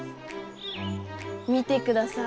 見てください。